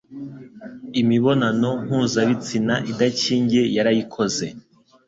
Imibonano mpuzabitsina idakingiye yarayikoze